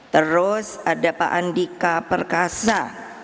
terus ada pak andika perkasa